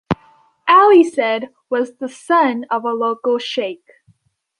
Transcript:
Ali Said was the son of a local sheik.